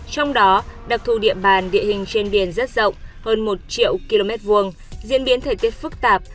trong đó đặc thù địa bàn địa hình trên biển rất rộng hơn một triệu km hai diễn biến thời tiết phức tạp